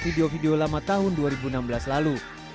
video video lama tahun dua ribu enam belas lalu